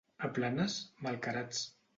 A Planes, malcarats.